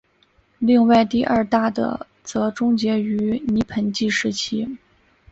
另外第二大的则终结了泥盆纪时期。